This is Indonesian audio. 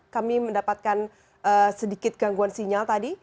kami mendapatkan sedikit gangguan sinyal tadi